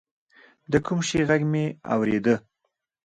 د کوم شي ږغ مې اورېده.